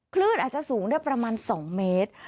คลื่นอาจจะสูงได้ประมาณ๒เมตร